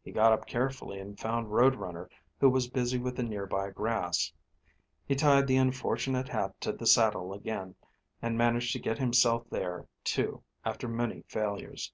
He got up carefully and found Road Runner who was busy with the near by grass. He tied the unfortunate hat to the saddle again, and managed to get himself there, too, after many failures.